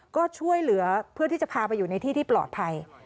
ก็ช่วยเหลือเพื่อที่จะพาไปอยู่ในที่ที่ปลอดภัย